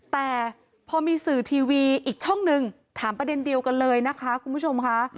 แต่พอมีสื่อทีวีอีกช่องหนึ่งถามประเด็นเดียวกันเลยนะคะคุณผู้ชมค่ะ